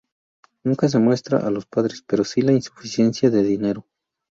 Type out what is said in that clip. Nunca se muestra a los padres, pero si la insuficiencia de dinero.